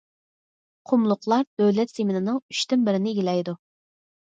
قۇملۇقلار دۆلەت زېمىنىنىڭ ئۈچتىن بىرىنى ئىگىلەيدۇ.